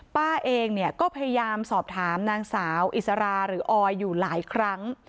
ป้าเองก็พยายามสอบถามนางสาวอิสราหรือออยอยู่หลายครั้ง